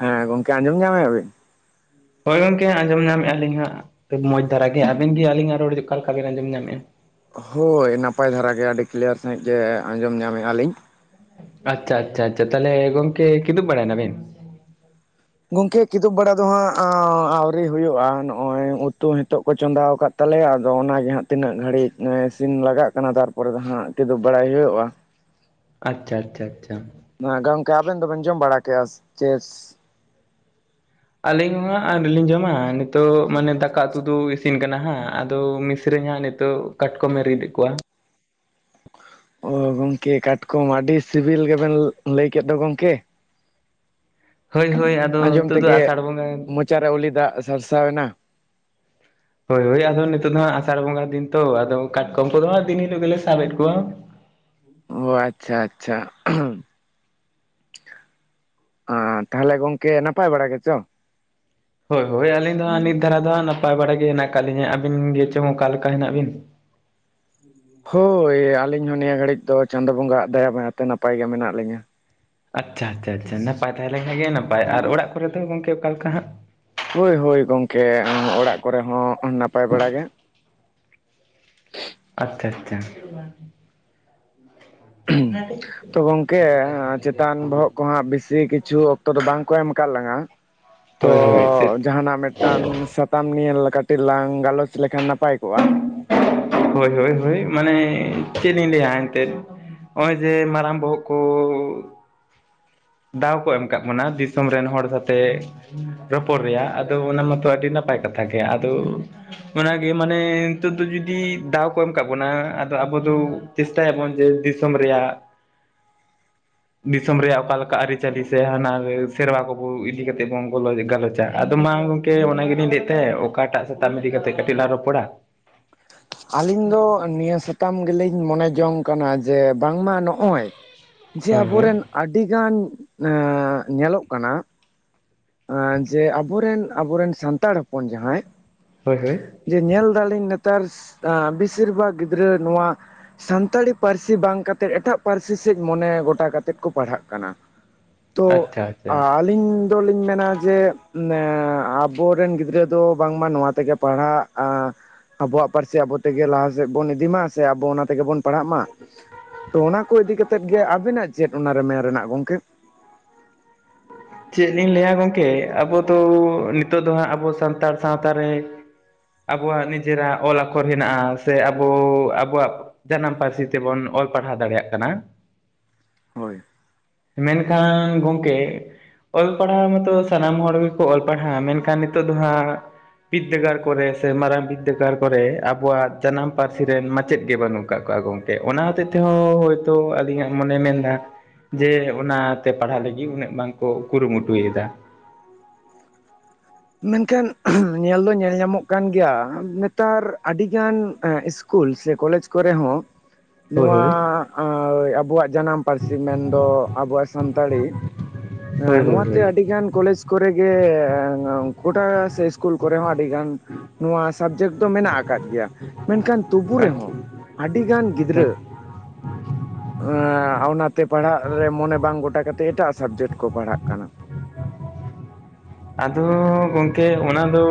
ᱦᱮᱸ ᱜᱚᱝᱠᱮ ᱟᱸᱡᱚᱢ ᱧᱟᱢᱮᱜᱼᱟ ᱵᱤᱱ? ᱦᱚᱭ ᱜᱚᱝᱠᱮ ᱟᱸᱡᱚᱢ ᱧᱟᱢᱮᱫ ᱟᱹᱞᱤᱧ ᱦᱟᱸᱜ᱾ ᱢᱚᱡᱽ ᱫᱷᱟᱨᱟ ᱜᱮ ᱟᱵᱮᱱ ᱜᱮ ᱟᱹᱞᱤᱧᱟᱜ ᱨᱚᱲ ᱚᱠᱟ ᱞᱮᱠᱟ ᱵᱮᱱ ᱟᱸᱡᱚᱢ ᱧᱟᱢᱮᱜᱼᱟ ᱦᱚᱭ ᱱᱟᱯᱟᱭ ᱫᱷᱟᱨᱟ ᱜᱮ ᱟᱹᱰᱤ ᱠᱤᱞᱤᱭᱟᱨ ᱥᱟᱺᱦᱤᱡ ᱜᱮ ᱟᱸᱡᱚᱢ ᱧᱟᱢᱮᱜᱼᱟ ᱞᱤᱧ᱾ ᱟᱪᱷᱟ ᱟᱪᱷᱟ ᱟᱪᱷᱟ ᱛᱟᱦᱞᱮ ᱜᱚᱝᱠᱮ ᱠᱤᱫᱩᱵ ᱵᱟᱲᱟᱭ ᱱᱟᱵᱤᱱ᱾ ᱜᱚᱝᱠᱮ ᱠᱤᱫᱩᱵ ᱵᱟᱲᱟ ᱫᱚ ᱦᱟᱸᱜ ᱟᱸ ᱟᱹᱣᱨᱤ ᱦᱩᱭᱩᱜᱼᱟ ᱱᱚᱜᱚᱭ ᱩᱛᱩ ᱱᱤᱛᱚᱜ ᱠᱚ ᱪᱚᱸᱫᱟᱣ ᱠᱟᱫ᱾ ᱛᱟᱦᱞᱮ ᱟᱫᱚ ᱚᱱᱟ ᱜᱮ ᱦᱟᱸᱜ ᱛᱤᱱᱟᱹᱜ ᱜᱷᱟᱹᱲᱤᱡ ᱤᱥᱤᱱ ᱞᱟᱜᱟᱜ ᱠᱟᱱᱟ ᱛᱟᱨ ᱯᱚᱨᱮ ᱫᱚ ᱦᱟᱸᱜ ᱠᱤᱫᱩᱜ ᱵᱟᱲᱟ ᱦᱩᱭᱩᱜᱼᱟ᱾ ᱟᱪᱷᱟ ᱪᱷᱟ ᱪᱷᱟ ᱟᱸ ᱜᱚᱝᱠᱮ ᱟᱵᱮᱱ ᱫᱚ ᱵᱮᱱ ᱡᱚᱢ ᱵᱟᱲᱟ ᱠᱮᱜᱼᱟ ᱪᱮᱥ᱾ ᱟᱹᱞᱤᱧ ᱦᱚᱸ ᱦᱟᱸᱜ ᱟᱹᱣᱨᱤ ᱞᱤᱧ ᱡᱚᱢᱟ ᱱᱤᱛᱚᱜ ᱢᱟᱱᱮ ᱫᱟᱠᱟ ᱩᱛᱩ ᱫᱚ ᱤᱥᱤᱱ ᱠᱟᱱᱟ ᱦᱟᱸᱜ ᱟᱫᱚ ᱢᱤᱥᱨᱟᱹᱧ ᱦᱟᱸᱜ ᱱᱤᱛᱚᱜ᱾ ᱛᱚ ᱠᱟᱴᱠᱚᱢᱮ ᱨᱤᱫ ᱮᱫ ᱠᱚᱣᱟ ᱦᱳᱭ ᱜᱚᱢᱠᱮ ᱠᱟᱴᱠᱚᱢ ᱟᱹᱰᱤ ᱥᱤᱵᱤᱞ ᱜᱮᱵᱮᱱ ᱞᱟᱹᱭ ᱠᱮᱫ ᱫᱚ ᱜᱚᱢᱠᱮ ᱦᱳᱭ ᱦᱳᱭ ᱟᱫᱚ ᱱᱤᱛᱚᱜ ᱫᱚ ᱟᱥᱟᱲ ᱵᱚᱸᱜᱟ ᱪᱟᱨᱟᱣᱩᱞᱤ ᱫᱟᱜ ᱥᱟᱨᱥᱟᱣᱮᱱᱟ ᱦᱳᱭ ᱦᱳᱭ ᱟᱫᱚ ᱱᱤᱛᱚᱜ ᱫᱚ ᱦᱟᱸᱜ ᱟᱥᱟᱲ ᱵᱚᱸᱜᱟ ᱫᱤᱱ ᱛᱚ ᱟᱫᱚ ᱠᱟᱴᱠᱚᱢ ᱠᱚᱫᱚ ᱦᱟᱸᱜ ᱫᱤᱱ ᱦᱤᱞᱳᱜ ᱜᱮᱞᱮ ᱥᱟᱵᱮᱫ ᱠᱚᱣᱟ ᱚ ᱟᱪᱪᱷᱟ ᱟᱪᱪᱷᱟ ᱚᱸ ᱛᱟᱦᱚᱞᱮ ᱜᱚᱝᱠᱮ ᱱᱟᱯᱟᱭ ᱵᱟᱲᱟ ᱜᱮᱪᱚ ᱦᱳᱭ ᱦᱳᱭ ᱟᱹᱞᱤᱧ ᱫᱚ ᱦᱟᱸᱜ ᱱᱤᱛ ᱫᱷᱟᱨᱟ ᱫᱚ ᱦᱟᱸᱜ ᱱᱟᱯᱟᱭ ᱵᱟᱲᱟ ᱜᱮ ᱦᱮᱱᱟᱜ ᱠᱟᱫ ᱞᱤᱧᱟᱹ ᱟᱹᱵᱤᱱ ᱜᱮ ᱪᱚᱝ ᱚᱠᱟ ᱞᱮᱠᱟ ᱦᱮᱱᱟᱜ ᱵᱤᱱ? ᱦᱳᱭ ᱟᱹᱞᱤᱧ ᱦᱚᱸ ᱱᱤᱭᱟᱹ ᱜᱷᱟᱹᱲᱤᱡ ᱫᱚ ᱪᱟᱸᱫᱳ ᱵᱚᱸᱜᱟᱭᱟᱜ ᱫᱟᱭᱟ ᱢᱟᱭᱟᱛᱮ ᱱᱟᱯᱟᱭ ᱜᱮ ᱢᱮᱱᱟᱜ ᱞᱤᱧᱟᱹ ᱟᱪᱪᱷᱟ ᱪᱷᱟ ᱪᱷᱟ ᱱᱟᱯᱟᱭ ᱛᱟᱦᱮᱸ ᱞᱮᱱᱠᱷᱟᱱ ᱜᱮ ᱱᱟᱯᱟᱭ ᱟᱨ ᱚᱲᱟᱜ ᱠᱚᱨᱮ ᱫᱚ ᱜᱚᱝᱠᱮ ᱚᱠᱟ ᱞᱮᱠᱟ ᱦᱟᱸᱜ? ᱦᱳᱭ ᱦᱳᱭ ᱜᱚᱢᱠᱮ ᱚᱲᱟᱜ ᱠᱚᱨᱮ ᱦᱚᱸ ᱱᱟᱯᱟᱭ ᱵᱟᱲᱟ ᱜᱮ ᱟᱪᱪᱷᱟ ᱪᱷᱟ [unintelligible] [unintelligible] ᱛᱚ ᱜᱚᱝᱠᱮ ᱪᱮᱛᱟᱱ ᱵᱚᱦᱚᱜ ᱠᱚᱦᱟᱸᱜ ᱵᱤᱥᱤ ᱠᱤᱪᱷᱩ ᱚᱠᱛᱚ ᱫᱚ ᱵᱟᱝ ᱠᱚ ᱮᱢ ᱠᱟᱫ ᱞᱟᱝᱟ, ᱛᱚ ᱦᱳᱭ ᱦᱳᱭ ᱪᱮᱫ ᱡᱟᱦᱟᱱᱟᱜ ᱢᱤᱫᱴᱟᱝ ᱥᱟᱛᱟᱢ ᱱᱤᱭᱟᱹᱞ ᱠᱟᱹᱴᱤᱡ ᱞᱟᱝ ᱜᱟᱞᱚᱪ ᱞᱮᱠᱷᱟᱱ ᱱᱟᱯᱟᱭ ᱠᱚᱜᱼᱟ ᱦᱳᱭ ᱦᱳᱭ ᱦᱳᱭ ᱢᱟᱱᱮ ᱪᱮᱫ ᱤᱧ ᱞᱟᱹᱭᱟ ᱮᱱᱛᱮᱫ ᱱᱚᱜᱼᱚᱭ ᱡᱮ ᱢᱟᱨᱟᱝ ᱵᱚᱦᱚᱜ ᱠᱩᱻ ᱫᱟᱣ ᱠᱚ ᱮᱢ ᱠᱟᱫ ᱵᱚᱱᱟ ᱫᱤᱥᱚᱢ ᱨᱮᱱ ᱦᱚᱲ ᱠᱟᱛᱮᱜ ᱨᱚᱯᱚᱲ ᱨᱮᱭᱟᱜ ᱟᱫᱚ ᱚᱱᱟ ᱢᱟᱛᱚ ᱟᱹᱰᱤ ᱱᱟᱯᱟᱭ ᱠᱟᱛᱷᱟ ᱜᱮ ᱟᱫᱚ ᱚᱱᱟᱜᱮ ᱢᱟᱱᱮ ᱱᱤᱛᱚᱜ ᱫᱚ ᱡᱩᱫᱤ ᱫᱟᱣ ᱠᱚ ᱮᱢ ᱠᱟᱫ ᱵᱚᱱᱟ ᱟᱫᱚ ᱟᱵᱚ ᱫᱚ ᱪᱮᱥᱴᱟᱭᱟᱵᱚᱱ ᱡᱮ ᱫᱤᱥᱚᱢ ᱨᱮᱭᱟᱜ [inaudible] ᱫᱤᱥᱚᱢ ᱨᱮᱭᱟᱜ ᱚᱠᱟ ᱞᱮᱠᱟ ᱟᱹᱨᱤᱪᱟᱹᱞᱤ ᱥᱮ ᱦᱟᱱᱟ ᱥᱮᱨᱣᱟ ᱠᱚᱵᱚ ᱤᱫᱤ ᱠᱟᱛᱮᱫ ᱵᱚᱱ ᱜᱚᱞᱚ ᱜᱟᱞᱚᱪᱟ ᱟᱫᱚ ᱢᱟ ᱠᱮ ᱚᱱᱟᱜᱮᱞᱤᱧ ᱞᱟᱹᱭᱮᱫ ᱛᱟᱦᱮᱸ ᱚᱠᱟᱴᱟᱜ ᱥᱟᱛᱟᱢ ᱤᱫᱤ ᱠᱟᱛᱮᱜ ᱠᱟᱹᱴᱤᱡ ᱞᱟᱝ ᱨᱚᱯᱚᱲᱟ ᱟᱞᱤᱧ ᱫᱚ ᱱᱤᱭᱟᱹ ᱥᱟᱛᱟᱢ ᱜᱮᱞᱤᱧ ᱢᱚᱱᱮ ᱡᱚᱝ ᱠᱟᱱᱟ ᱡᱮ ᱵᱟᱝᱢᱟ ᱱᱚᱜᱼᱚᱭ ᱡᱮ ᱦᱳᱭ ᱦᱳᱭ ᱟᱵᱚᱨᱮᱱ ᱟᱹᱰᱤᱜᱟᱱ ᱮᱸ ᱧᱮᱞᱚᱜ ᱠᱟᱱᱟ ᱟᱸ ᱡᱮ ᱟᱵᱚᱨᱮᱱ ᱟᱵᱚᱨᱮᱱ ᱥᱟᱱᱛᱟᱲ ᱦᱚᱯᱚᱱ ᱡᱟᱦᱟᱸᱭ ᱦᱳᱭ ᱦᱳᱭ ᱡᱮ ᱧᱮᱞ ᱫᱟᱞᱤᱧ ᱱᱮᱛᱟᱨ ᱵᱮᱥᱤᱨ ᱵᱷᱟᱜᱽ ᱜᱤᱫᱽᱨᱟᱹ ᱱᱚᱶᱟ ᱥᱟᱱᱛᱟᱲᱤ ᱯᱟᱹᱨᱥᱤ ᱵᱟᱝ ᱠᱟᱛᱮᱫ ᱮᱴᱟᱜ ᱯᱟᱹᱨᱥᱤ ᱥᱮᱫ ᱢᱚᱱᱮ ᱜᱚᱴᱟ ᱠᱟᱛᱮᱫ ᱠᱚ ᱯᱟᱲᱦᱟᱜ ᱠᱟᱱᱟ᱾ ᱛᱚ ᱟᱪᱪᱷᱟ ᱟᱪᱪᱷᱟ ᱟᱹᱞᱤᱧ ᱫᱚᱞᱤᱧ ᱢᱮᱱ ᱱᱟ ᱡᱮ ᱟᱵᱚᱨᱮᱱ ᱜᱤᱫᱽᱨᱟᱹ ᱫᱚ ᱵᱟᱝᱢᱟ ᱱᱚᱶᱟ ᱛᱮᱜᱮ ᱯᱟᱲᱦᱟᱜ ᱟᱵᱚᱣᱟᱜ ᱯᱟᱹᱨᱥᱤ ᱟᱵᱚ ᱛᱮᱜᱮ ᱞᱟᱦᱟᱥᱮᱫ ᱵᱩᱱ ᱤᱫᱤ ᱢᱟ ᱥᱮ ᱟᱵᱤ ᱚᱱᱟ ᱛᱮᱜᱮ ᱵᱩᱱ ᱯᱟᱲᱦᱟᱜ ᱢᱟ, ᱛᱚ ᱚᱱᱟ ᱠᱚ ᱤᱫᱤ ᱠᱟᱛᱮᱫ ᱜᱮ ᱟᱵᱮᱱᱟᱜ ᱪᱮᱫ ᱚᱱᱟᱨᱮ ᱢᱮᱱ ᱨᱮᱱᱟᱜ ᱜᱚᱢᱠᱮ? [inaudible] ᱪᱮᱫ ᱞᱤᱧ ᱞᱟᱹᱭᱟ ᱜᱚᱢᱠᱮ ᱟᱵᱩᱫᱚ ᱱᱤᱛᱚᱜ ᱫᱚ ᱦᱟᱸᱜ ᱟᱵᱩ ᱥᱟᱱᱛᱟᱲ ᱥᱟᱶᱛᱟᱨᱮ ᱟᱵᱚᱣᱟᱜ ᱱᱤᱡᱮᱨᱟᱜ ᱚᱞ ᱟᱠᱷᱚᱨ ᱦᱮᱱᱟᱜ-ᱟ ᱥᱮ ᱟᱵᱚ ᱟᱵᱚᱣᱟᱜ ᱡᱟᱱᱟᱢ ᱯᱟᱨᱥᱤ ᱛᱮᱵᱚᱱ ᱚᱞ ᱯᱟᱲᱦᱟᱣ ᱫᱟᱲᱮᱭᱟᱜ ᱠᱟᱱᱟ ᱦᱳᱭ ᱢᱮᱱ ᱠᱷᱟᱱ ᱜᱚᱝᱠᱮ ᱚᱞ ᱯᱟᱲᱦᱟᱣ ᱢᱟᱛᱚ ᱥᱟᱱᱟᱢ ᱦᱚᱲ ᱜᱮᱠᱚ ᱚᱞ ᱯᱟᱲᱦᱟᱜ, ᱢᱮᱱᱠᱷᱟᱱ ᱱᱤᱛᱚᱜ ᱫᱚ ᱦᱟᱸᱜ ᱵᱤᱫᱽᱫᱟᱹᱜᱟᱲ ᱠᱚᱨᱮ ᱥᱮ ᱢᱟᱨᱟᱝ ᱵᱤᱫᱽᱫᱟᱹᱜᱟᱲ ᱠᱚᱨᱮ ᱟᱵᱚᱣᱟᱜ ᱡᱟᱱᱟᱢ ᱯᱟᱨᱥᱤ ᱨᱮᱱ ᱢᱟᱪᱮᱫ ᱜᱮ ᱵᱟᱹᱱᱩᱜ ᱟᱠᱟᱫ ᱠᱚᱣᱟ ᱜᱚᱢᱠᱮ ᱚᱱᱟ ᱦᱚᱛᱮᱜ ᱛᱮᱦᱚᱸ ᱦᱳᱭᱛᱳ ᱟᱹᱞᱤᱧᱟᱜ ᱢᱚᱱᱮ ᱢᱮᱱᱫᱟ ᱡᱮ ᱚᱱᱟᱛᱮ ᱯᱟᱲᱦᱟᱜ ᱞᱟᱹᱜᱤᱫ ᱩᱱᱟᱹᱜ ᱵᱟᱝᱠᱚ ᱠᱩᱨᱩ ᱢᱩᱴᱩᱭᱮᱫᱟ᱾ ᱢᱮᱱᱠᱷᱟᱱ ᱧᱮᱞ ᱫᱚ ᱧᱮᱞ ᱧᱟᱢᱚᱜ ᱠᱟᱱ ᱜᱮᱭᱟ ᱱᱮᱛᱟᱨ ᱟᱹᱰᱤ ᱜᱟᱱ ᱤᱥᱼᱼ ᱥᱠᱩᱞ ᱥᱮ ᱠᱚᱞᱮᱡᱽ ᱠᱚᱨᱮ ᱦᱚᱸ ᱦᱳᱭ ᱱᱚᱣᱟ ᱦᱳᱭ ᱟᱵᱚᱣᱟᱜ ᱡᱟᱱᱟᱢ ᱯᱟᱹᱨᱥᱤ ᱢᱮᱱᱫᱚ ᱟᱵᱚᱣᱟᱜ ᱥᱟᱱᱛᱟᱲᱤ ᱦᱳᱭ ᱦᱸ ᱦᱳᱭ ᱱᱚᱣᱟᱛᱮ ᱦᱳᱭ ᱟᱹᱰᱤᱜᱟᱱ ᱠᱚᱞᱮᱡᱽ ᱠᱚᱨᱮᱜ ᱜᱮ ᱜᱳᱴᱟ ᱥᱮ ᱤᱥᱠᱩᱞ ᱠᱚᱨᱮ ᱦᱚᱸ ᱟᱹᱰᱤᱜᱟᱱ ᱱᱚᱣᱟ ᱥᱟᱵᱡᱮᱴ ᱫᱚ ᱢᱮᱱᱟᱜ ᱟᱠᱟᱫ ᱜᱮᱭᱟ ᱢᱮᱱᱠᱷᱟᱱ ᱛᱵᱩ ᱟᱪᱪᱷᱟ ᱨᱮᱦᱚᱸ ᱟᱹᱰᱤ ᱜᱟᱱ ᱦᱳᱭ ᱜᱤᱫᱽᱨᱟᱹ ᱚᱱᱟᱛᱮ ᱯᱟᱲᱦᱟᱜ ᱨᱮ ᱢᱚᱱᱮ ᱵᱟᱝ ᱜᱚᱴᱟ ᱠᱟᱛᱮᱮᱫ ᱮᱴᱟᱜ ᱥᱟᱵᱽᱡᱮᱠᱴ ᱠᱚ ᱯᱟᱲᱦᱟᱜ ᱠᱟᱱᱟ ᱟᱫᱚ ᱜᱚᱝᱠᱮ ᱚᱱᱟ ᱫᱚ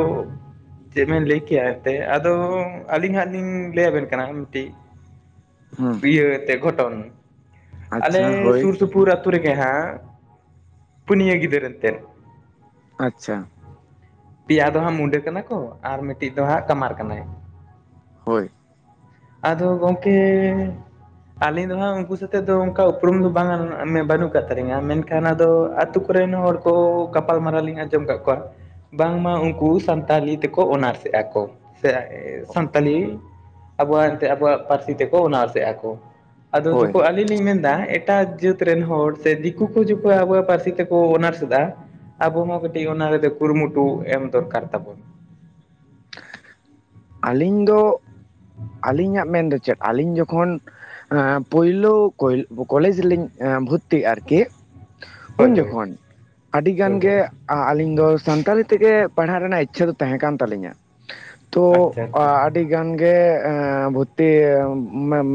ᱪᱮᱫ ᱵᱮᱱ ᱞᱟᱹᱭ ᱠᱮᱭᱟ ᱮᱱᱛᱮᱫ ᱟᱫᱚ ᱟᱹᱞᱤᱧ ᱦᱟᱸᱜ ᱞᱤᱧ ᱞᱟᱹᱭ ᱟᱵᱮᱱ ᱠᱟᱱᱟ ᱢᱤᱫᱴᱤᱡ [unintelligible] ᱦᱩᱸ ᱛᱮ ᱜᱷᱚᱴᱚᱱ ᱟᱪᱪᱷᱟ ᱟᱞᱮ ᱦᱳᱭ ᱥᱩᱨ ᱥᱩ ᱥᱩᱯᱩᱨ ᱦᱛᱳ ᱨᱮᱜ ᱦᱮᱸ ᱯᱩᱩᱱᱤᱭ ᱜᱤᱫᱤᱨᱛᱮ ᱟᱪᱪᱷᱟ ᱯᱮᱭᱟ ᱫᱚ ᱦᱟᱸᱜ ᱢᱩᱱᱰᱟᱹ ᱠᱟᱱᱟ ᱠᱚ ᱟᱨ ᱢᱤᱫᱴᱤᱡ ᱫᱚ ᱦᱟᱸᱜ ᱠᱟᱢᱟᱨ ᱠᱟᱱᱟᱭ ᱦᱳᱭ ᱟᱫᱚ ᱜᱚᱢᱠᱮ ᱟᱹᱞᱤᱧ ᱫᱚ ᱦᱟᱸᱜ ᱩᱱᱠᱩ ᱥᱟᱛᱮ ᱫᱚ ᱚᱱᱠᱟ ᱩᱯᱨᱩᱢ ᱫᱚ ᱵᱟᱝ ᱵᱟᱹᱱᱩᱜ ᱠᱟᱜ ᱛᱟᱹᱟᱞᱤᱧᱟ ᱢᱮᱱᱠᱷᱟᱱ ᱟᱫᱚ ᱟᱛᱼᱼ [unintelligible] ᱠᱚᱨᱱ ᱦᱚᱲ ᱠᱚ ᱜᱟᱯᱟᱞ ᱢᱟᱨᱟᱨᱟᱣ ᱞᱤᱧ ᱟᱸᱡᱚᱢ ᱟᱠᱟᱫ ᱠᱚᱣᱟ ᱵᱟᱝᱢᱟ ᱩᱱᱠᱩ ᱥᱟᱱᱛᱟᱲᱤ ᱛᱮᱠᱚ ᱚᱱᱟᱨᱥ ᱮᱮᱫᱼᱟ ᱠᱚ ᱥᱮ ᱥᱟᱱᱛᱟᱲᱤ ᱟᱵᱚᱣᱟᱜ ᱮᱱᱛᱮᱫ ᱟᱵᱚᱣᱟᱜ ᱯᱟᱹᱨᱥᱤ ᱛᱮᱠᱚ ᱚᱱᱟᱨᱥᱮᱫᱼᱟ ᱠᱚ ᱟᱫᱚ ᱦᱳᱭ ᱪᱚᱠᱷ ᱟᱹᱞᱤᱧ ᱞᱤᱧ ᱢᱮᱱ ᱮᱫᱟ ᱮᱴᱟᱜ ᱡᱟᱹᱛ ᱨᱮᱱ ᱦᱚᱲ ᱥᱮ ᱫᱤᱠᱩ ᱠᱚ ᱡᱚᱠᱷᱚᱱ ᱟᱵᱚᱣᱟᱜ ᱯᱟᱹᱨᱥᱤ ᱛᱮᱠᱚ ᱚᱱᱟᱨᱥ ᱮᱫᱟ ᱟᱵᱚ ᱦᱚᱸ ᱠᱟᱹᱴᱤᱡ ᱚᱱᱟ ᱨᱮᱫᱚ ᱠᱩᱨᱩᱢᱩᱴᱩ ᱮᱢ ᱫᱚᱨᱠᱟᱨ ᱛᱟᱵᱚᱱ ᱟᱹᱞᱤᱧ ᱫᱚ ᱟᱹᱞᱤᱧᱟᱜ ᱢᱮᱱᱫᱚ ᱪᱮᱫ ᱟᱞᱤᱧ ᱡᱚᱠᱷᱚᱱ ᱯᱳᱞᱳ ᱠᱚᱞᱮᱡᱽ ᱨᱮᱞᱤᱧ ᱵᱷᱩᱨᱛᱤᱜᱼᱟ ᱟᱨᱠᱤ ᱦᱳᱭ ᱩᱱ ᱦᱳᱭ ᱡᱚᱠᱷᱚᱱ ᱟᱹᱰᱤ ᱜᱟᱱ ᱦᱳᱭ ᱦᱳᱭ ᱜᱮ ᱟᱞᱤᱧ ᱫᱚ ᱥᱟᱱᱛᱟᱲᱤ ᱛᱮᱜᱮ ᱯᱟᱲᱦᱟᱜ ᱨᱮᱱᱟᱜ ᱤᱪᱪᱷᱟᱹ ᱫᱚ ᱛᱟᱦᱮᱸ ᱠᱟᱱ ᱛᱟᱹᱟᱞᱤᱧᱟ ᱛᱚ ᱟᱪᱪᱷᱟ [unintelligible] ᱟᱪᱪᱷᱟ ᱟᱹᱰᱤ ᱜᱟᱱ ᱜᱮ ᱵᱷᱚᱨᱛᱤ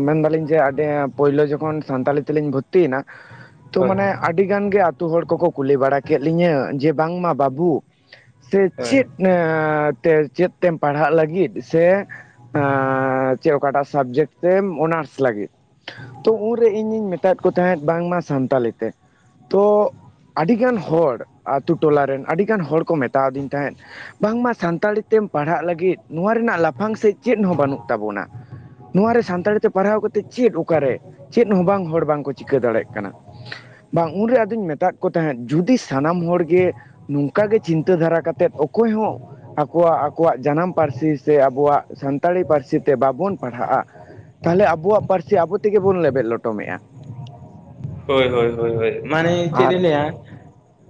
ᱢᱮᱱᱫᱟᱞᱤᱧ ᱡᱮ ᱟᱹᱰᱤ ᱯᱳᱭᱞᱳ ᱡᱚᱠᱷᱚᱱ ᱥᱟᱱᱛᱟᱞᱤ ᱛᱮᱞᱤᱧ ᱵᱷᱚᱨᱛᱤᱭᱮᱱᱟ ᱛᱚ ᱦᱳᱭ ᱢᱟᱱᱮ ᱦᱳᱭ ᱟᱹᱰᱤ ᱜᱟᱱ ᱜᱮ ᱟᱛᱳ ᱦᱚᱲ ᱠᱚᱠᱚ ᱠᱩᱞᱤ ᱵᱟᱲᱟ ᱠᱮᱫ ᱞᱤᱧᱟᱹ ᱡᱮ ᱵᱟᱝᱢᱟ ᱵᱟᱹᱵᱩ ᱥᱮ ᱦᱳᱭ ᱪᱮᱫ ᱪᱮᱫ ᱛᱮᱢ ᱯᱟᱲᱦᱟᱜ ᱞᱟᱹᱜᱤᱫ ᱥᱮ ᱮᱸᱪᱮᱫ ᱚᱠᱟᱴᱟᱜ ᱥᱟᱵᱽᱡᱮᱠᱴ ᱛᱮᱢ ᱚᱱᱟᱨᱥ ᱞᱟᱹᱜᱤᱫ ᱛᱚ ᱩᱱᱨᱮ ᱤᱧᱤᱧ ᱢᱮᱛᱟᱫ ᱠᱚ ᱛᱟᱦᱮᱸᱫ ᱵᱟᱝᱢᱟ ᱥᱟᱱᱛᱟᱲᱤ ᱛᱮ ᱛᱚ ᱟᱹᱰᱤᱜᱟᱱ ᱦᱚᱲ ᱟᱛᱳ ᱴᱚᱞᱟᱮᱱ ᱟᱹᱰᱤᱜᱟᱱ ᱦᱚᱲ ᱠᱚ ᱢᱮᱛᱟᱣᱫᱤᱧ ᱛᱟᱦᱮᱸᱫ ᱵᱟᱝᱢᱟ ᱥᱟᱱᱛᱟᱲᱤ ᱛᱮᱢ ᱯᱟᱲᱦᱟᱜ ᱞᱟᱹᱜᱤᱫ ᱱᱚᱣᱟ ᱨᱮᱱᱟᱜ ᱞᱟᱯᱷᱟᱝ ᱥᱮᱫ ᱪᱮᱫ ᱦᱚᱸ ᱵᱟᱹᱱᱩᱜ ᱛᱟᱵᱚᱱᱟ ᱱᱚᱣᱟᱨᱮ ᱥᱟᱱᱛᱟᱲᱤ ᱛᱮ ᱯᱟᱲᱦᱟᱣ ᱠᱟᱛᱮᱮᱫ ᱪᱮᱫ ᱚᱠᱟᱨᱮ ᱪᱮᱫ ᱦᱚᱸ ᱵᱟᱝ ᱦᱚᱲ ᱵᱟᱝᱠᱚ ᱪᱤᱠᱟᱹ ᱫᱟᱲᱮᱭᱟᱜ ᱠᱟᱱᱟ ᱵᱟᱝ ᱩᱱᱨᱮ ᱟᱫᱚᱧ ᱢᱮᱛᱟᱜ ᱠᱟᱱᱟ ᱛᱟᱦᱮᱸᱫ ᱡᱩᱫᱤ ᱥᱟᱱᱟᱢ ᱦᱚᱲ ᱜᱮ ᱱᱚᱝᱠᱟ ᱜᱮ ᱪᱤᱱᱛᱟᱹ ᱫᱷᱟᱨᱟ ᱠᱟᱛᱮᱫ ᱚᱠᱚᱭ ᱦᱚᱸ ᱣᱟᱜ ᱟᱠᱚᱣᱟᱜ ᱡᱟᱱᱟᱢ ᱯᱟᱹᱨᱥᱤ ᱥᱮ ᱟᱵᱚᱣᱟᱜ ᱥᱟᱱᱛᱟᱲᱤ ᱯᱟᱹᱨᱥᱤ ᱛᱮ ᱵᱟᱵᱚᱱ ᱯᱟᱲᱦᱟᱜᱼᱟ ᱛᱟᱦᱚᱞᱮ ᱟᱵᱚᱣᱟᱜ ᱯᱟᱹᱨᱥᱤ ᱟᱵᱚ ᱛᱮᱜᱮ ᱵᱚᱱ ᱞᱮᱵᱮᱫ ᱞᱚᱴᱚᱢᱮᱜᱼᱟ ᱦᱳᱭ ᱦᱳᱭ ᱦᱳᱭ ᱢᱟᱱᱮ ᱪᱮᱫ ᱤᱧ ᱟᱨ ᱞᱟᱹᱭᱟ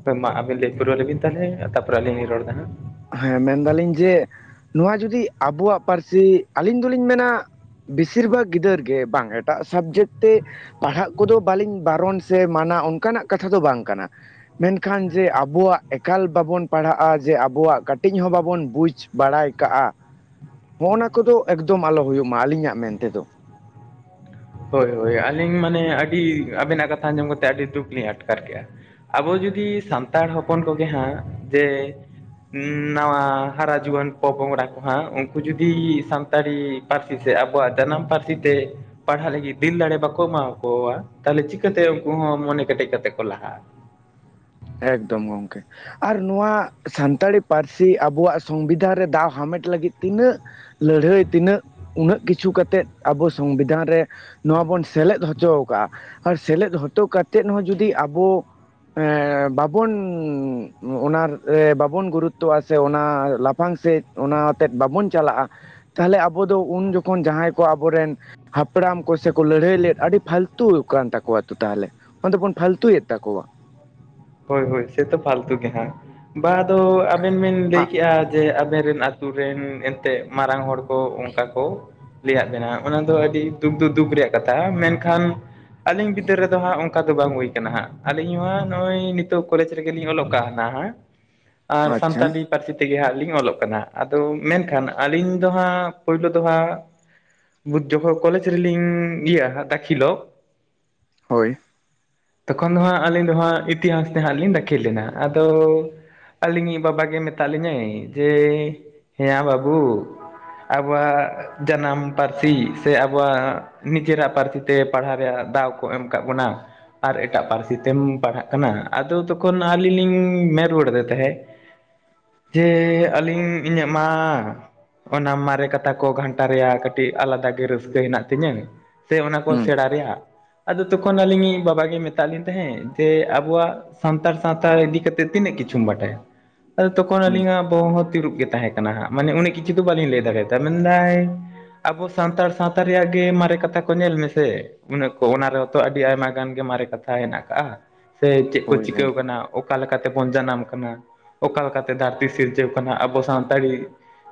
ᱦᱳᱭ ᱢᱟ ᱟᱵᱤᱱ ᱞᱟᱹᱭ ᱵᱩᱨᱣᱞᱞᱤ ᱵᱤᱱ ᱛᱟᱦᱚᱞᱮ ᱛᱟᱯᱚᱨ ᱟᱹᱞᱤᱧ ᱨᱚᱲ ᱮᱫᱟ ᱦᱟᱸᱜ ᱦᱮᱸ ᱢᱮᱱᱫᱟᱞᱤᱧ ᱡᱮ ᱱᱚᱣᱟ ᱡᱩᱫᱤ ᱟᱵᱚᱣᱟᱜ ᱯᱟᱹᱨᱥᱤ ᱟᱹᱞᱤᱧ ᱫᱚᱞᱤᱧ ᱢᱮᱱᱟ ᱵᱮᱥᱤᱨ ᱵᱷᱟᱜᱽ ᱜᱤᱫᱟᱹᱨ ᱜᱮ ᱵᱟᱝ ᱮᱴᱟᱜ ᱥᱟᱵᱡᱮᱠᱴ ᱛᱮ ᱯᱟᱲᱦᱟᱜ ᱠᱚᱫᱚ ᱵᱟᱹᱞᱤᱧ ᱵᱟᱨᱚᱱ ᱥᱮ ᱢᱟᱱᱟ ᱚᱱᱠᱟᱱᱟᱜ ᱠᱟᱛᱷᱟ ᱫᱚ ᱵᱟᱝ ᱠᱟᱱᱟ ᱢᱮᱱᱠᱷᱟᱱ ᱡᱮ ᱟᱵᱚᱣᱟᱜ ᱮᱠᱟᱞ ᱵᱟᱵᱚᱱ ᱯᱟᱲᱦᱟᱜᱼᱟ ᱡᱮ ᱟᱵᱚᱣᱟᱜ ᱠᱟᱹᱴᱤᱡ ᱦᱚᱸ ᱵᱟᱵᱚᱱ ᱵᱩᱡᱽ ᱵᱟᱲᱟᱭ ᱠᱟᱜᱼᱟ ᱱᱚᱜᱼᱱᱟ ᱠᱚᱫᱚ ᱮᱠᱫᱚᱢ ᱟᱞᱚ ᱦᱩᱭᱩᱜ ᱢᱟ ᱟᱹᱞᱤᱧᱟᱜ ᱢᱮᱱ ᱛᱮᱫᱚ ᱦᱳᱭ ᱦᱳᱭ ᱟᱹᱞᱤᱧ ᱢᱟᱱᱮ ᱟᱹᱰᱤ ᱟᱵᱮᱱᱟᱜ ᱠᱟᱛᱷᱟ ᱟᱸᱡᱚᱢ ᱠᱟᱛᱮᱫ ᱟᱹᱰᱤ ᱫᱩᱠ ᱞᱤᱧ ᱟᱴᱠᱟᱨ ᱠᱮᱫᱮᱜᱼᱟ ᱟᱵᱚ ᱡᱩᱫᱤ ᱥᱟᱱᱛᱟᱲ ᱦᱚᱯᱚᱱ ᱠᱚᱜᱮ ᱦᱟᱸᱜ ᱡᱮ ᱱᱟᱣᱟ ᱦᱟᱨᱟ ᱡᱩᱣᱟᱹᱱ ᱯᱚᱯᱚᱝᱲᱟ ᱠᱚ ᱦᱟᱸᱜ ᱩᱱᱠᱩ ᱡᱩᱫᱤ ᱥᱟᱱᱛᱟᱲᱤ ᱯᱟᱹᱨᱥᱤ ᱥᱮ ᱟᱵᱚᱣᱟᱜ ᱡᱟᱱᱟᱢ ᱯᱟᱹᱨᱥᱤ ᱛᱮ ᱯᱟᱲᱦᱟᱜ ᱞᱟᱹᱜᱤᱫ ᱫᱤᱱ ᱫᱟᱲᱮ ᱵᱟᱠᱚ ᱮᱢᱟᱠᱚᱣᱟ ᱛᱟᱦᱚᱞᱮ ᱪᱤᱠᱟᱹᱛᱮ ᱩᱱᱠᱩ ᱦᱚᱸ ᱢᱚᱱᱮ ᱠᱮᱴᱮᱡ ᱠᱟᱛᱮ ᱠᱚ ᱞᱟᱦᱟᱜᱼᱟ ᱮᱠᱫᱚᱢ ᱜᱚᱢᱠᱮ ᱟᱨ ᱱᱚᱣᱟ ᱥᱟᱱᱛᱟᱲᱤ ᱯᱟᱹᱨᱥᱤ ᱟᱵᱚᱣᱟᱜ ᱥᱚᱝᱵᱤᱫᱷᱟᱱ ᱨᱮ ᱫᱟᱣ ᱦᱟᱢᱮᱴ ᱞᱟᱹᱜᱤᱫ ᱛᱤᱱᱟᱹᱜ ᱞᱟᱹᱲᱦᱟᱹᱭ ᱛᱤᱱᱟᱹᱜ ᱩᱱᱟᱹᱜ ᱠᱤᱪᱷᱩ ᱠᱟᱛᱮᱫ ᱟᱵᱚ ᱥᱚᱝᱵᱤᱫᱷᱟᱱ ᱨᱮ ᱱᱚᱣᱟ ᱵᱚᱱ ᱥᱮᱞᱮᱫ ᱦᱚᱪᱚ ᱠᱟᱜᱼᱟ ᱟᱨ ᱥᱮᱞᱮᱫ ᱦᱚᱪᱚ ᱠᱟᱛᱮᱫ ᱦᱚᱸ ᱡᱩᱫᱤ ᱟᱵᱚ ᱦᱮᱸ ᱵᱟᱵᱚᱱᱻ ᱚᱱᱟ ᱵᱟᱵᱚᱱ ᱜᱩᱨᱩᱛᱛᱚᱼᱟ ᱥᱮ ᱚᱱᱟ ᱞᱟᱹᱯᱷᱟᱝ ᱥᱮᱫ ᱚᱱᱟ ᱟᱛᱮᱫ ᱵᱟᱵᱚᱱ ᱪᱟᱞᱟᱜᱼᱟ ᱛᱟᱦᱟᱞᱮ ᱟᱵᱚ ᱫᱚ ᱩᱱ ᱡᱚᱠᱷᱚᱱ ᱡᱟᱦᱟᱭ ᱠᱚ ᱟᱵᱚᱨᱮᱱ ᱦᱟᱯᱲᱟᱢ ᱠᱚᱥᱮ ᱠᱚ ᱞᱟᱹᱲᱦᱟᱹᱭ ᱞᱮᱫ ᱟᱹᱰᱤ ᱯᱷᱟᱹᱞᱛᱩ ᱠᱟᱱᱟ ᱛᱟᱠᱚᱣᱟ ᱛᱚ ᱛᱟᱦᱟᱞᱮ ᱚᱱᱟ ᱫᱚ ᱵᱚᱱ ᱯᱷᱟᱹᱞᱛᱩᱭᱮᱫ ᱛᱟᱠᱚᱣᱟ ᱦᱳᱭ ᱦᱳᱭ ᱥᱮᱛᱚ ᱯᱷᱟᱹᱞᱛᱩ ᱜᱮ ᱦᱟᱸᱜ ᱵᱟ ᱟᱫᱚ ᱟᱵᱮᱱ ᱵᱮᱱ ᱞᱟᱹᱭ ᱟᱜ ᱠᱮᱫᱼᱟ ᱡᱮ ᱟᱵᱮᱱ ᱨᱮᱱ ᱟᱛᱳ ᱨᱮᱱ ᱮᱱᱛᱮᱜ ᱢᱟᱨᱟᱝ ᱦᱚᱲ ᱠᱚ ᱚᱱᱠᱟ ᱠᱚ ᱞᱟᱹᱭ ᱟᱫ ᱵᱮᱱᱟ ᱚᱱᱟ ᱫᱚ ᱟᱹᱰᱤ ᱫᱩᱠ ᱫᱚᱼᱫᱩᱠ ᱨᱮᱭᱟᱜ ᱠᱟᱛᱷᱟ ᱢᱮᱱᱠᱷᱟᱱ ᱟᱹᱞᱤᱧ ᱵᱤᱫᱟᱹᱞ ᱨᱮᱫᱚ ᱦᱟᱸᱜ ᱚᱱᱠᱟ ᱫᱚ ᱵᱟᱝ ᱦᱩᱭ ᱠᱟᱱᱟ ᱦᱟᱸᱜ ᱟᱹᱞᱤᱧ ᱦᱚᱸ ᱱᱚᱜᱼᱚᱭ ᱱᱤᱛᱚᱜ ᱠᱚᱞᱮᱡᱽ ᱨᱮᱜᱮᱞᱤᱧ ᱚᱞᱚᱜ ᱠᱟᱦᱱᱟ ᱟᱨ ᱟᱪᱪᱷᱟ ᱥᱟᱱᱛᱟᱲᱤ ᱯᱟᱹᱨᱥᱤ ᱛᱮᱜᱮ ᱦᱟᱸᱜ ᱞᱤᱧ ᱚᱞᱚᱜ ᱠᱟᱱᱟ ᱟᱫᱚ ᱢᱮᱱᱠᱷᱟᱱ ᱟᱹᱞᱤᱧ ᱫᱚ ᱦᱟᱸᱜ ᱯᱳᱭᱞᱳ ᱫᱚ ᱦᱟᱸᱜ ᱵᱩᱡᱷ ᱡᱚᱦᱚᱸ ᱠᱚᱞᱮᱡᱽ ᱨᱮ ᱞᱤᱝᱻ ᱤᱭᱟᱹ ᱟ ᱫᱟᱹᱠᱷᱤᱞᱚᱜ ᱦᱳᱭ ᱛᱚᱠᱷᱚᱱ ᱫᱚ ᱦᱟᱸᱜ ᱟᱹᱞᱤᱧ ᱫᱚ ᱦᱟᱸᱜ ᱤᱛᱤᱦᱟᱥ ᱛᱮ ᱦᱟᱸᱜ ᱞᱤᱧ ᱫᱟᱹᱠᱷᱤᱞ ᱞᱮᱱᱟ ᱟᱫᱚ ᱟᱹᱞᱤᱧᱤᱡ ᱵᱟᱵᱟ ᱜᱮ ᱢᱮᱛᱟᱜ ᱞᱤᱧᱟᱹᱭ ᱡᱮ ᱦᱮᱸᱭᱟ ᱵᱟᱹᱵᱩ ᱟᱵᱚᱣᱟᱜ ᱡᱟᱱᱟᱢ ᱯᱟᱹᱨᱥᱤ ᱥᱮ ᱟᱵᱚᱣᱟᱜ ᱱᱤᱡᱮᱨᱟᱜ ᱯᱟᱹᱨᱥᱤ ᱛᱮ ᱯᱟᱹᱲᱦᱟᱹᱣ ᱨᱮᱭᱟᱜ ᱫᱟᱣ ᱠᱚ ᱮᱢ ᱟᱠᱟᱫ ᱵᱚᱱᱟ ᱟᱨ ᱮᱴᱟᱜ ᱯᱟᱹᱨᱥᱤ ᱛᱮᱢ ᱯᱟᱹᱲᱦᱟᱹᱜ ᱠᱟᱱᱟ ᱟᱫᱚ ᱛᱚᱠᱷᱚᱱ ᱟᱹᱞᱤᱧ ᱞᱤᱧ ᱢᱮᱱ ᱨᱩᱣᱟᱹᱲ ᱟᱫᱮ ᱛᱟᱦᱮᱸᱫ ᱡᱮᱻ ᱟᱹᱞᱤᱧᱻ ᱤᱧᱟᱹᱜ ᱢᱟ ᱚᱱᱟ ᱢᱟᱨᱮ ᱠᱟᱛᱷᱟ ᱠᱚ ᱜᱷᱟᱱᱴᱟ ᱨᱮᱭᱟᱜ ᱠᱟᱹᱴᱤᱡ ᱟᱞᱟᱫᱟ ᱜᱮ ᱨᱟᱹᱥᱠᱟᱹ ᱦᱮᱱᱟᱜ ᱛᱤᱧᱟᱹ ᱥᱮ ᱚᱱᱟ ᱠᱚ ᱦᱩᱸ ᱥᱮᱸᱬᱟ ᱨᱮᱭᱟᱜ ᱟᱫᱚ ᱛᱚᱠᱷᱚᱱ ᱟᱹᱞᱤᱧᱤᱡ ᱵᱟᱵᱟ ᱜᱮ ᱢᱮᱛᱟᱫ ᱞᱤᱧ ᱛᱟᱦᱮᱸᱫ ᱡᱮ ᱟᱵᱚᱣᱟᱜ ᱥᱟᱱᱛᱟᱲ ᱥᱟᱶᱛᱟ ᱤᱫᱤ ᱠᱟᱛᱮ ᱛᱤᱱᱟᱹᱜ ᱠᱤᱪᱷᱩᱢ ᱵᱟᱰᱟᱭᱟ? ᱟᱫᱚ ᱛᱚᱠᱷᱚᱱ ᱦᱩᱸ ᱟᱹᱞᱤᱧᱟᱜ ᱵᱚᱸᱦᱚᱜ ᱦᱚᱸ ᱛᱤᱸᱨᱩᱵ ᱜᱮ ᱛᱟᱦᱮᱸ ᱠᱟᱱᱟ᱾ [unintelligible] ᱢᱟᱱᱮ ᱩᱱᱟᱹᱜ ᱠᱤᱪᱷᱩ ᱫᱚ ᱵᱟᱹᱞᱤᱧ ᱞᱟᱹᱭ ᱫᱟᱲᱮᱭᱟᱫᱟ ᱢᱮᱱᱫᱟᱭ ᱟᱵᱚ ᱥᱟᱱᱛᱟᱲ ᱥᱟᱶᱛᱟ ᱨᱮᱭᱟᱜ ᱜᱮ ᱢᱟᱨᱮ ᱠᱟᱛᱷᱟ ᱠᱚ ᱧᱮᱞ ᱢᱮᱥᱮ ᱩᱱᱟᱹ ᱠᱚ ᱚᱱᱟ ᱨᱮᱦᱚᱛᱚ ᱟᱹᱰᱤ ᱟᱭᱢᱟ ᱜᱟᱱ ᱜᱮ ᱢᱟᱨᱮ ᱠᱟᱛᱷᱟ ᱦᱮᱱᱟᱜ ᱠᱟᱜᱼᱟ ᱥᱮ ᱪᱮᱫ ᱠᱚ ᱦᱳᱭ ᱦᱳᱭ ᱪᱤᱠᱟᱹᱣ ᱟᱠᱟᱱᱟ ᱚᱠᱟ ᱞᱮᱠᱟᱛᱮ ᱵᱚᱱ ᱡᱟᱱᱟᱢ ᱠᱟᱱᱟ ᱚᱠᱟ ᱞᱮᱠᱟᱛᱮ ᱫᱷᱟᱹᱨᱛᱤ ᱥᱤᱨᱡᱟᱹᱣ ᱠᱟᱱᱟ ᱟᱵᱚ ᱥᱟᱱᱛᱟᱲᱤ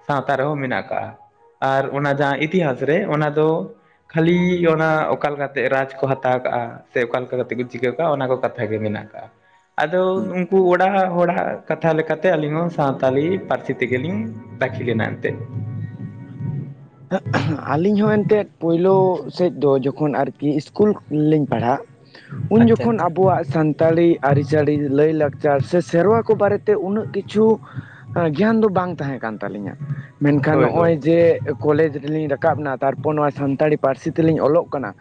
ᱥᱟᱶᱛᱟ ᱨᱮᱦᱚᱸ ᱢᱮᱱᱟᱜ ᱠᱟᱜᱼᱟ ᱟᱨ ᱚᱱᱟ ᱡᱟᱦᱟᱸ ᱤᱛᱤᱦᱟᱥ ᱨᱮ ᱚᱱᱟ ᱫᱚ ᱠᱷᱟᱹᱞᱤ ᱚᱱᱟ ᱚᱠᱟ ᱞᱮᱠᱟᱛᱮ ᱨᱟᱡᱽ ᱠᱚ ᱦᱟᱛᱟᱣ ᱠᱟᱜᱼᱟ ᱥᱮ ᱚᱠᱟ ᱞᱮᱠᱟ ᱠᱟᱛᱮ ᱠᱚ ᱪᱤᱠᱟᱹᱣ ᱠᱟᱜᱼᱟ ᱚᱱᱟ ᱠᱚ ᱠᱟᱛᱷᱟ ᱜᱮ ᱢᱮᱱᱟᱜ ᱠᱟᱜᱼᱟ ᱟᱫᱚ ᱦᱩᱸ ᱩᱱᱠᱩ ᱚᱲᱟᱜ ᱦᱚᱲᱟᱜ ᱠᱟᱛᱷᱟ ᱞᱮᱠᱟᱛᱮ ᱟᱹᱞᱤᱧ ᱦᱚᱸ ᱥᱟᱶᱛᱟᱞᱤ ᱯᱟᱹᱨᱥᱤ ᱛᱮᱜᱮ ᱞᱤᱧ ᱫᱟᱹᱠᱷᱤᱞ ᱮᱱᱟ ᱮᱱᱛᱮ᱾ ᱟᱹᱞᱤᱧ ᱦᱚᱸ ᱮᱱᱛᱮᱫ ᱯᱳᱭᱞᱳ ᱥᱮᱫ ᱫᱚ ᱡᱚᱠᱷᱚᱱ ᱟᱨᱠᱤ ᱤᱥᱠᱩᱞ ᱞᱤᱧ ᱯᱟᱹᱲᱦᱟᱹᱜ ᱩᱱ ᱟᱪᱪᱷᱟ ᱡᱚᱠᱷᱚᱱ ᱟᱪᱪᱷᱟ ᱟᱵᱚᱣᱟᱜ ᱥᱟᱱ ᱥᱟᱱᱛᱟᱲᱤ ᱟᱹᱨᱤ ᱪᱟᱹᱞᱤ ᱞᱟᱹᱭᱼᱞᱟᱠᱪᱟᱨ ᱥᱮ ᱥᱮᱸᱨᱣᱟᱹ ᱠᱚ ᱵᱟᱨᱮᱛᱮ ᱩᱱᱟᱹᱜ ᱠᱤᱪᱷᱩ ᱜᱮᱭᱟᱱ ᱫᱚ ᱵᱟᱝ ᱛᱟᱦᱮᱸ ᱠᱟᱱ ᱛᱟᱹᱞᱤᱧᱟ ᱢᱮᱱᱠᱷᱟᱱ ᱦᱳᱭ ᱦᱳᱭ ᱱᱚᱜᱼᱚᱭ ᱡᱮ ᱠᱚᱞᱮᱡᱽ ᱨᱮᱞᱤᱧ ᱨᱟᱠᱟᱵ ᱱᱟ ᱛᱟᱨᱯᱚᱨ ᱱᱚᱣᱟ ᱥᱟᱱᱛᱟᱲᱤ ᱯᱟᱹᱨᱥᱤ ᱛᱮᱞᱤᱧ ᱚᱞᱚᱜ ᱠᱟᱱᱟ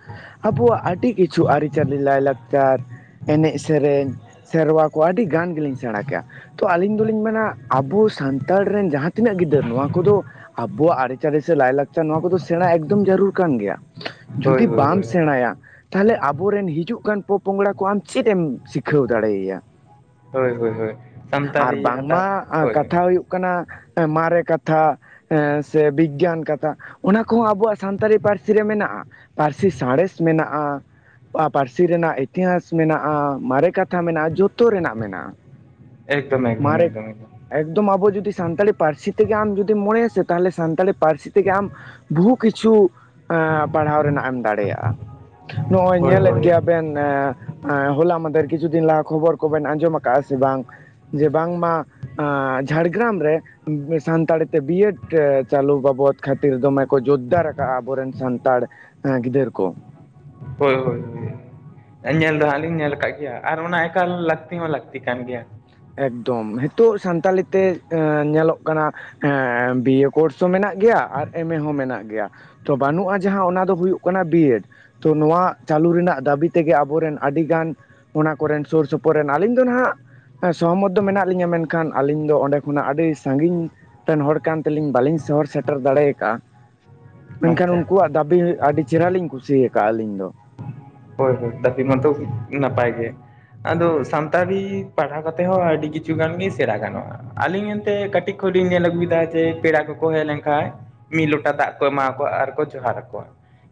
ᱟᱵᱚᱣᱟᱜ ᱟᱹᱰᱤ ᱠᱤᱪᱷᱩ ᱟᱹᱨᱤ-ᱪᱟᱹᱞᱤ ᱞᱟᱹᱭ-ᱞᱟᱠᱪᱟᱨ ᱮᱸᱱᱮᱡ ᱥᱮᱸᱨᱮᱧ ᱥᱮᱸᱨᱣᱟᱹ ᱠᱚ ᱟᱹᱰᱤ ᱜᱟᱱ ᱜᱮᱞᱤᱧ ᱥᱮᱸᱬᱟ ᱠᱮᱜᱼᱟ ᱛᱚ ᱟᱹᱞᱤᱧ ᱫᱚᱞᱤᱧ ᱢᱮᱱᱟ ᱟᱵᱚ ᱥᱟᱱᱛᱟᱲ ᱨᱮᱱ ᱡᱟᱦᱟᱸ ᱛᱤᱱᱟᱹᱜ ᱜᱤᱫᱟᱹᱨ ᱱᱚᱣᱟ ᱠᱚᱫᱚ ᱟᱵᱚᱣᱟᱜ ᱟᱹᱨᱤ-ᱪᱟᱹᱞᱤ ᱥᱮ ᱞᱟᱹᱭ-ᱞᱟᱠᱪᱟᱨ ᱱᱚᱣᱟ ᱠᱚᱫᱚ ᱥᱮᱸᱬᱟ ᱮᱠᱫᱚᱢ ᱡᱟᱹᱨᱩᱲ ᱠᱟᱱ ᱜᱮᱭᱟ ᱦᱳᱭ ᱡᱩᱫᱤ ᱦᱳᱭ ᱵᱟᱢ ᱦᱳᱭ ᱥᱮᱸᱬᱟᱭᱟ ᱛᱟᱦᱟᱞᱮ ᱟᱵᱚᱨᱮᱱ ᱦᱤᱡᱩᱜ ᱠᱟᱱ ᱯᱚᱸᱯᱚᱝᱲᱟ ᱠᱚ ᱟᱢ ᱪᱮᱫ ᱮᱢ ᱥᱤᱠᱷᱟᱹᱣ ᱫᱟᱲᱮᱭᱟᱭᱟ᱾ ᱦᱳᱭ ᱦᱳᱭ ᱦᱳᱭ ᱟᱨ ᱥᱟᱱᱛᱟᱞᱤ ᱵᱟᱝᱢᱟ ᱦᱟᱛᱟᱣ ᱦᱳᱭ ᱠᱟᱛᱷᱟ ᱦᱩᱭᱩᱜ ᱢᱟᱨᱮ ᱠᱟᱛᱷᱟ ᱵᱤᱜᱽᱜᱟᱱ ᱠᱟᱛᱷᱟ ᱚᱱᱟ ᱠᱚᱦᱚᱸ ᱟᱵᱚᱣᱟᱜ ᱥᱟᱱᱛᱟᱲᱤ ᱯᱟᱹᱨᱥᱤ ᱨᱮ ᱢᱮᱱᱟᱜᱼᱟ ᱯᱟᱹᱨᱥᱤ ᱥᱟᱸᱬᱮᱥ ᱢᱮᱱᱟᱜᱼᱟ ᱯᱟᱹᱨᱥᱤ ᱨᱮᱱᱟᱜ ᱤᱛᱤᱦᱟᱥ ᱢᱮᱱᱟᱜᱼᱟ ᱢᱟᱨᱮ ᱠᱟᱛᱷᱟ ᱢᱮᱱᱟᱜᱼᱟ ᱡᱚᱛ ᱡᱚᱛᱚ ᱨᱮᱱᱟᱜ ᱢᱮᱱᱟᱜᱼᱟ ᱮᱠᱫᱚᱢ ᱮᱠᱫᱚᱢ ᱢᱟᱨᱮ ᱮᱠᱫᱚᱢ ᱮᱠᱫᱚᱢ ᱟᱵᱚ ᱡᱩᱫᱤ ᱥᱟᱱᱛᱟᱲᱤ ᱯᱟᱹᱨᱥᱤ ᱛᱮᱜᱮ ᱟᱢ ᱡᱩᱫᱤ ᱢᱚᱱᱮᱭᱟᱥᱮ ᱛᱟᱦᱚᱞᱮ ᱥᱟᱱᱛᱟᱲᱤ ᱯᱟᱹᱨᱥᱤ ᱛᱮᱜᱮ ᱟᱢ ᱵᱚᱦᱩ ᱠᱤᱪᱷᱩ ᱮᱸ ᱯᱟᱲᱦᱟᱣ ᱨᱮᱱᱟᱜ ᱮᱢ ᱫᱟᱲᱮᱭᱟᱜᱼᱟ ᱱᱚᱜᱼᱚᱭ ᱦᱳᱭ ᱧᱮᱞᱮᱫ ᱦᱳᱭ ᱜᱮᱭᱟᱢ ᱵᱮᱱ ᱦᱚᱞᱟ ᱢᱟᱫᱷᱮᱨ ᱠᱤᱪᱷᱩ ᱫᱤᱱ ᱞᱟᱦᱟ ᱠᱷᱚᱵᱚᱨ ᱠᱚᱵᱮᱱ ᱟᱸᱡᱚᱢᱟ ᱟᱠᱟᱫᱼᱟ ᱥᱮ ᱵᱟᱝ ᱡᱮ ᱵᱟᱝ ᱢᱟ ᱮᱸ ᱡᱷᱟᱲᱜᱨᱟᱢ ᱨᱮ ᱥᱟᱱᱛᱟᱲᱤ ᱛᱮ ᱵᱤᱭ ᱮᱰ ᱪᱟᱞᱩ ᱵᱟᱵ ᱵᱚᱫ ᱠᱷᱟᱹᱛᱤᱨ ᱫᱚᱢᱮ ᱠᱚ ᱡᱳᱡᱽᱫᱟᱨ ᱟᱠᱟᱟᱜᱼᱟ ᱟᱵᱚᱨᱮᱱ ᱥᱟᱱᱛᱟᱲ ᱜᱤᱫᱟᱹᱨ ᱠᱚ ᱦᱳᱭ ᱦᱳᱭ ᱦᱳᱭ ᱧᱮᱞ ᱫᱚ ᱦᱟᱸᱜ ᱞᱤᱧ ᱧᱮᱞ ᱠᱟᱜ ᱜᱮᱭᱟ ᱟᱨ ᱚᱱᱟ ᱮᱠᱟᱞ ᱞᱟᱹᱠᱛᱤ ᱦᱚᱸ ᱞᱟᱹᱠᱛᱤ ᱠᱟᱱ ᱜᱮᱭᱟ ᱮᱠᱫᱚᱢ ᱱᱤᱛᱚᱜ ᱥᱟᱱᱛᱟᱞᱤ ᱛᱮ ᱧᱮᱞᱚᱜ ᱠᱟᱱᱟ ᱮᱸ ᱵᱤᱭᱮ ᱠᱳᱨᱥ ᱦᱚᱸ ᱢᱮᱱᱟᱜ ᱜᱮᱭᱟ ᱟᱨ ᱮᱢ ᱮ ᱦᱚᱸ ᱢᱮᱱᱟᱜ ᱜᱮᱭᱟ ᱛᱚ ᱵᱟᱹᱱᱩᱜᱼᱟ ᱡᱟᱦᱟᱸ ᱚᱱᱟ ᱫᱚ ᱦᱩᱭᱩᱜ ᱠᱟᱱᱟ ᱵᱤᱭ ᱮᱰ ᱛᱚ ᱱᱚᱣᱟ ᱪᱟᱹᱞᱩ ᱨᱮᱱᱟᱜ ᱫᱟᱹᱵᱤ ᱛᱮᱜᱮ ᱟᱵᱚᱨᱮᱱ ᱟᱹᱰᱤᱜᱟᱱ ᱚᱱᱟ ᱠᱚᱨᱮᱱ ᱥᱩᱨ ᱥᱩᱯᱩᱨ ᱨᱮᱱ ᱟᱹᱞᱤᱧ ᱫᱚ ᱱᱟᱦᱟᱜ ᱥᱚᱦᱚᱢᱚᱛ ᱫᱚ ᱢᱮᱱᱟᱜ ᱞᱤᱧᱟ ᱢᱮᱱᱠᱷᱟᱱ ᱟᱹᱞᱤᱧ ᱫᱚ ᱚᱸᱰᱮ ᱠᱷᱚᱱᱟᱜ ᱟᱹᱰᱤ ᱥᱟᱹᱜᱤᱧ ᱛᱮᱱ ᱦᱚᱲ ᱠᱟᱱ ᱛᱮᱞᱤᱧ ᱵᱟᱹᱞᱤᱧ ᱥᱚᱦᱚᱨ ᱥᱮᱴᱮᱨ ᱫᱟᱲᱮ ᱠᱟᱜᱼᱟ ᱢᱮᱱᱠᱷᱟᱱ ᱟᱪᱪᱷᱟ ᱟᱪᱪᱷᱟ ᱩᱱᱠᱩᱣᱟᱜ ᱫᱟᱹᱵᱤ ᱟᱹᱰᱤ ᱪᱮᱦᱨᱟ ᱞᱤᱧ ᱠᱩᱥᱤ ᱟᱠᱟᱜᱼᱟ ᱟᱹᱞᱤᱧ ᱫᱚ ᱦᱳᱭ ᱦᱳᱭ ᱫᱟ ᱢᱟᱛᱚ ᱱᱟᱯᱟᱭ ᱜᱮ ᱟᱫᱚ ᱥᱟᱱᱛᱟᱲᱤ ᱯᱟᱲᱦᱟᱣ ᱠᱟᱛᱮᱫ ᱦᱚᱸ ᱟᱹᱰᱤ ᱠᱤᱪᱷᱩ ᱜᱟᱱ ᱜᱮ ᱥᱮᱬᱟ ᱜᱟᱱᱚᱜᱼᱟ ᱟᱹᱞᱤᱧ ᱮᱱᱛᱮ ᱠᱟᱹᱴᱤᱡ ᱠᱷᱚᱞᱤᱧ ᱧᱮᱞ ᱟᱜᱩᱭ ᱫᱟ ᱡᱮ ᱯᱮᱲᱟ ᱠᱚᱠᱚ ᱦᱮᱡ ᱞᱮᱱ ᱠᱷᱟᱡ ᱢᱤᱫ ᱞᱚᱴᱟ ᱫᱟᱜ ᱠᱚ ᱮᱢᱟᱠᱚᱣᱟ ᱟᱨᱠᱚ ᱡᱚᱦᱟᱨ ᱟᱠᱚᱣᱟ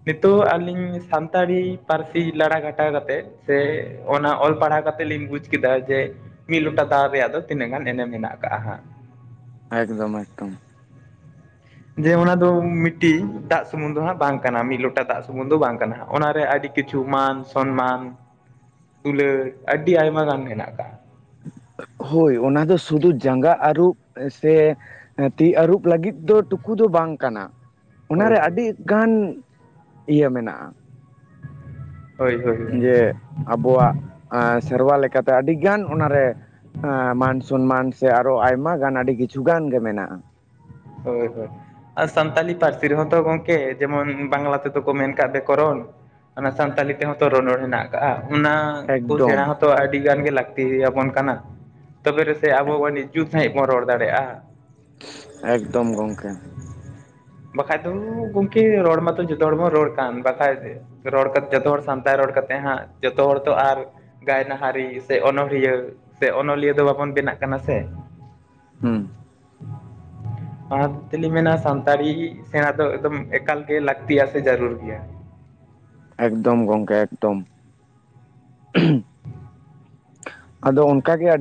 ᱱᱤᱛᱚᱜ ᱟᱹᱞᱤᱧ ᱥᱟᱱᱛᱟᱲᱤ ᱯᱟᱹᱨᱥᱤ ᱞᱟᱲᱟ ᱜᱷᱟᱴᱟ ᱠᱟᱛᱮᱫ ᱥᱮ ᱚᱱᱟ ᱚᱞ ᱯᱟᱲᱦᱟᱣ ᱠᱟᱛᱮ ᱞᱤᱧ ᱵᱩᱡᱽ ᱠᱮᱫᱟ ᱡᱮ ᱢᱤᱫ ᱞᱚᱴᱟ ᱫᱟᱣ ᱨᱮᱭᱟᱜ ᱫᱚ ᱛᱤᱱᱟᱹᱜ ᱜᱟᱱ ᱮᱱᱮᱢ ᱢᱮᱱᱟᱜᱱᱟᱜ ᱟᱠᱟᱜᱼᱟ ᱦᱟᱸᱜ ᱮᱠᱫᱚᱢ ᱮᱠᱫᱚᱢ ᱡᱮ ᱚᱱᱟ ᱫᱚ ᱢᱤᱫᱴᱤᱡ ᱫᱟᱜ ᱥᱩᱢᱩᱱᱝ ᱫᱚ ᱦᱟᱸᱜ ᱵᱟᱝ ᱠᱟᱱᱟ ᱢᱤᱫ ᱞᱚᱴᱟ ᱫᱟᱜ ᱥᱩᱢᱩᱱ ᱫᱚ ᱵᱟᱝ ᱠᱟᱱᱟ ᱦᱟᱸᱜ ᱚᱱᱟᱨᱮ ᱟᱹᱰᱤ ᱠᱤᱪᱷᱩ ᱢᱟᱱ ᱥᱚᱱᱢᱟᱱ ᱫᱩᱞᱟᱹᱲ ᱟᱹᱰᱤ ᱟᱭᱢᱟ ᱜᱟᱱ ᱢᱮᱱᱟᱜ ᱟᱠᱟᱫᱼᱟ ᱦᱳᱭ ᱚᱱᱟ ᱫᱚ ᱥᱩᱫᱩ ᱡᱟᱸᱜᱟ ᱟᱹᱨᱩᱵ ᱥᱮ ᱮᱸ ᱛᱤ ᱟᱨᱩᱵ ᱞᱟᱹᱜᱤᱫ ᱫᱚ ᱴᱩᱠᱩ ᱫᱚ ᱵᱟᱝ ᱠᱟᱱᱟ ᱚᱱᱟᱨᱮ ᱦᱳᱭ ᱟᱹᱰᱤᱜᱟᱱ ᱤᱭᱟᱹ ᱢᱮᱱᱟᱜᱼᱟ ᱦᱳᱭ ᱦᱳᱭ ᱦᱳᱭ ᱡᱮ ᱟᱵᱚᱣᱟᱜ ᱥᱮᱨᱣᱟ ᱞᱮᱠᱟᱛᱮ ᱟᱹᱰᱤᱜᱟᱱ ᱚᱱᱟᱨᱮ ᱢᱟᱱ ᱥᱚᱱᱢᱟᱱ ᱥᱮ ᱟᱨᱚ ᱟᱭᱢᱟ ᱜᱟᱱ ᱟᱹᱰᱤ ᱠᱤᱪᱷ ᱜᱟᱱ ᱜᱮ ᱢᱮᱱᱟᱜᱼᱟ᱾ ᱦᱳᱭ ᱦᱳᱭ ᱟᱨ ᱥᱟᱱᱛᱟᱞᱤ ᱯᱟᱹᱨᱥᱤ ᱨᱮᱦᱚᱸ ᱛᱚ ᱜᱚᱝᱠᱮ ᱡᱮᱢᱚᱱ ᱵᱟᱝᱞᱟ ᱛᱮᱫᱚ ᱠᱚ ᱢᱮᱱ ᱟᱠᱟᱜᱼᱟ ᱵᱮᱠᱚᱨᱚᱱ ᱚᱱᱟ ᱥᱟᱱᱛᱟᱞᱤ ᱛᱮᱦᱚᱸ ᱛᱚ ᱨᱚᱱᱚᱲ ᱦᱮᱱᱟᱜ ᱠᱟᱜᱼᱟ ᱚᱱᱟ ᱠᱚ ᱥᱮᱬᱟ ᱮᱠᱫᱚᱢ ᱦᱚᱸᱛᱚ ᱛᱚ ᱟᱹᱰᱤᱜᱟᱱ ᱜᱮ ᱞᱟᱹᱠᱛᱤᱭᱟᱵᱚᱱ ᱠᱟᱱᱟ ᱛᱚᱵᱮ ᱨᱮᱥᱮ ᱟᱵᱚ ᱚᱱ ᱡᱩᱛ ᱥᱟᱺᱦᱤᱡ ᱵᱚᱱ ᱨᱚᱲ ᱫᱟᱲᱮᱭᱟᱜᱼᱟ ᱮᱠᱫᱚᱢ ᱜᱚᱝᱠᱮ ᱵᱟᱠᱷᱟᱡ ᱫᱚ ᱜᱚᱢᱠᱮ ᱨᱚᱲ ᱢᱟᱛᱚ ᱡᱚᱛᱚ ᱦᱚᱲ ᱵᱚᱱ ᱨᱚᱲ ᱠᱟᱱ ᱵᱟᱠᱷᱟᱡ ᱨᱚᱲ ᱠᱟᱛᱮ ᱡᱚᱛᱚ ᱦᱚᱲ ᱥᱟᱱᱛᱟᱲ ᱨᱚᱲ ᱠᱟᱛᱮᱫ ᱦᱟᱸᱜ ᱡᱚᱛᱚ ᱦᱚᱲ ᱛᱚ ᱟᱨ ᱜᱟᱭᱱᱟᱦᱟᱨᱤ ᱥᱮ ᱚᱱᱚᱲᱦᱤᱭᱟᱹ ᱥᱮ ᱚᱱᱚᱞᱤᱭᱟᱹ ᱫᱚ ᱵᱟᱵᱚᱱ ᱵᱮᱱᱟᱜ ᱠᱟᱱᱟ ᱥᱮ ᱦᱩᱸ ᱚᱱᱟ ᱛᱮᱞᱤᱧ ᱢᱮᱱᱟ ᱥᱟᱱ ᱛᱟᱲᱤ ᱥᱮᱬᱟ ᱫᱚ ᱮᱠᱫᱚᱢ ᱮᱠᱟᱞ ᱜᱮ ᱞᱟᱹᱠᱛᱤᱜᱤᱭᱟ ᱥᱮ ᱡᱟᱹᱨᱩᱲ ᱜᱮᱭᱟ ᱮᱠᱫᱚᱢ ᱜᱚᱝᱠᱮ ᱮᱠᱫᱚᱢ ᱩᱸᱦᱩ ᱟᱫᱚ ᱚᱱᱠᱟ ᱜᱮ ᱟᱹᱰᱤ